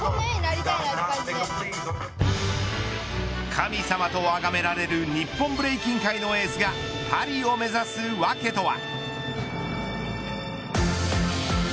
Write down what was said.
神様とあがめられる日本ブレイキン界のエースがパリを目指すわけとは。